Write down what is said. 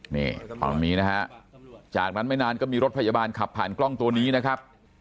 นี่ตรงนี้นะฮะจากนั้นไม่นานก็มีรถพยาบาลขับผ่านกล้องตัวนี้นะครับ